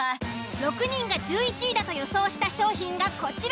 ６人が１１位だと予想した商品がこちら。